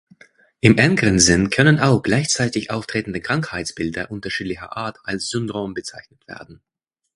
Im engeren Sinn können auch gleichzeitig auftretende Krankheitsbilder unterschiedlicher Art als Syndrom bezeichnet werden.